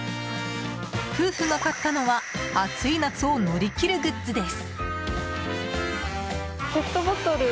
夫婦が買ったのは暑い夏を乗り切るグッズです。